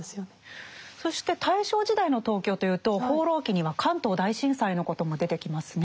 そして大正時代の東京というと「放浪記」には関東大震災のことも出てきますね。